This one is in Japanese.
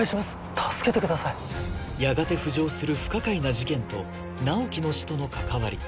助けてくださいやがて浮上する不可解な事件と直木の死との関わり